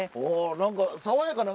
何か爽やかな。